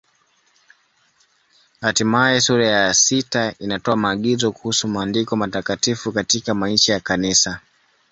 Hatimaye sura ya sita inatoa maagizo kuhusu Maandiko Matakatifu katika maisha ya Kanisa.